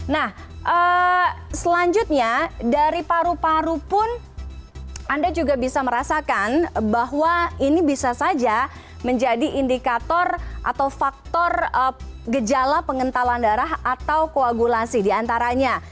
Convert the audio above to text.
nah selanjutnya dari paru paru pun anda juga bisa merasakan bahwa ini bisa saja menjadi indikator atau faktor gejala pengentalan darah atau koagulasi diantaranya